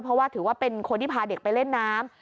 เพราะว่าถือว่าเป็นคนที่พาเด็กไปเล่นน้ำ